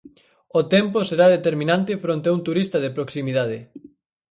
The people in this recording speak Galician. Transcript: O tempo será determinante fronte a un turista de proximidade.